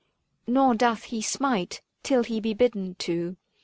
" Nor doth he smite till he be bidden to.